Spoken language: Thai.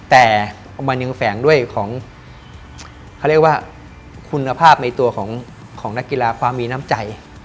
แต่มันยังแฝงด้วยของคุณภาพในตัวของนักกีฬาความมีน้ำใจ